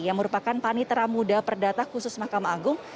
yang merupakan panitra budha perdata khusus mahkamah agung